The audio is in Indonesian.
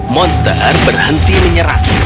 monster berhenti menyerang